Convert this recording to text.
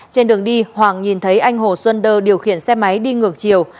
trên đường đi hoàng nhìn thấy anh hồ xuân đơ điều khiển xe máy đi ngược chiều